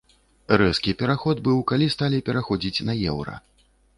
Рэзкі пераход быў, калі сталі пераходзіць на еўра.